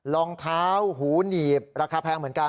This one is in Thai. รองเท้าหูหนีบราคาแพงเหมือนกัน